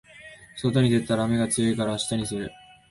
外に出たら雨が強いから明日にする